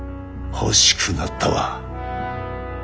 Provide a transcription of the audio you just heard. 欲しくなったわ。